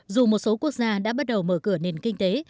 dù một số quốc gia đã bắt đầu mở cửa nền kinh tế